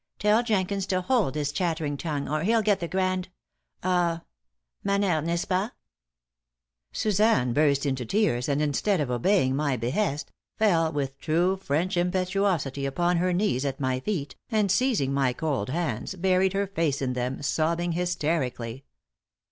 Tell Jenkins to hold his chattering tongue, or he'll get the grand ah, manner nayst pah?" Suzanne burst into tears, and, instead of obeying my behest, fell, with true French impetuosity, upon her knees at my feet, and, seizing my cold hands, buried her face in them, sobbing hysterically.